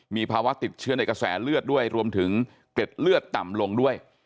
มีภาวะติดเชื้อในกระแสเลือดด้วยรวมถึงเกล็ดเลือดต่ำลงด้วย